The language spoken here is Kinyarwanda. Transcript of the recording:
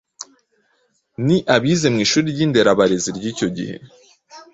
ni abize mu ishuri ry'inderabarezi ry'icyo gihe